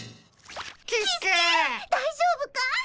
大丈夫かい？